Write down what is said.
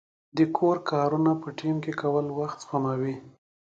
د کور کارونه په ټیم کې کول وخت سپموي.